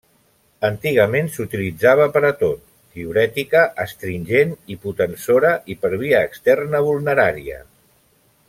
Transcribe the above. Antigament s'utilitzava per a tot: diürètica, astringent, hipotensora i per via externa vulnerària.